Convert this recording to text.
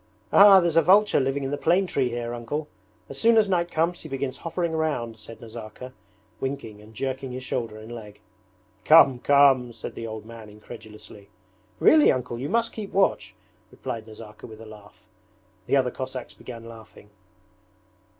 'Ah, there's a vulture living in the plane tree here, Uncle. As soon as night comes he begins hovering round,' said Nazarka, winking and jerking his shoulder and leg. 'Come, come!' said the old man incredulously. 'Really, Uncle! You must keep watch,' replied Nazarka with a laugh. The other Cossacks began laughing.